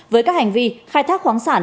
với các hành vi khai thác khoáng sản